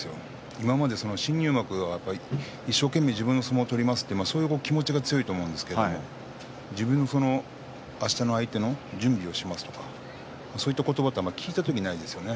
今まで新入幕は一生懸命自分の相撲を取りますという気持ちが強いと思うんですがあしたの相手の準備をしますとかそういった言葉ってあまり聞いたことないですよね